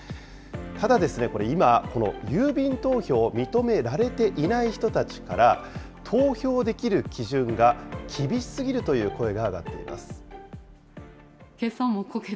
ただ、これ今、郵便投票を認められていない人たちから、投票できる基準が厳しすぎるという声が上がっています。